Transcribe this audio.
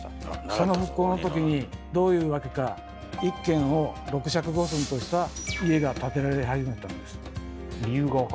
その復興のときにどういうわけか１間を６尺５寸とした家が建てられ始めたんです。